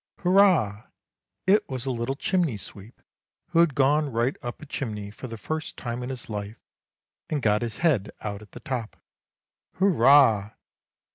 ' Hurrah !' It was a little chimney sweep who had gone right up a chimney for the first time in his life, and got his head out at the top. ' Hurrah!